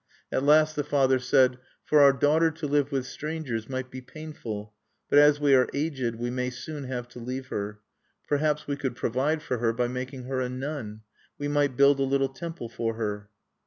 At last the father said: "For our daughter to live with strangers might be painful. But as we are aged, we may soon have to leave her. Perhaps we could provide for her by making her a nun. We might build a little temple for her."